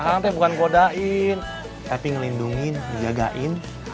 tapi bukan godain tapi ngelindungin jagain